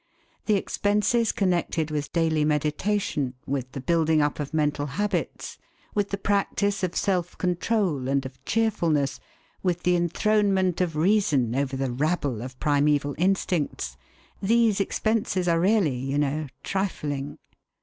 The expenses connected with daily meditation, with the building up of mental habits, with the practice of self control and of cheerfulness, with the enthronement of reason over the rabble of primeval instincts these expenses are really, you know, trifling.